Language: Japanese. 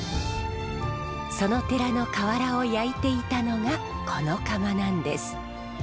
その寺の瓦を焼いていたのがこの窯なんです。